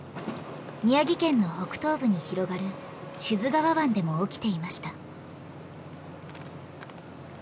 宮城県の北東部に広がる志津川湾でも起きていました。